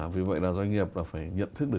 vì vậy là doanh nghiệp phải nhận thức được